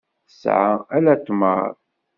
Tesɛa ala tmeṛ.